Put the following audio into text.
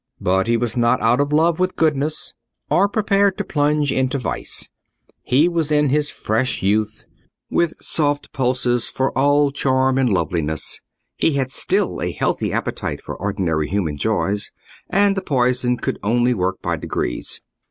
But he was not out of love with goodness, or prepared to plunge into vice: he was in his fresh youth, with soft pulses for all charm and loveliness; he had still a healthy appetite for ordinary human joys, and the poison could only work by degrees.